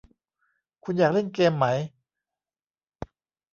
คุณอยากเล่นเกมไหม